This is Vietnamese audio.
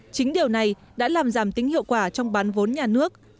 chính điều này đã làm giảm tính hiệu quả trong bán vốn nhà nước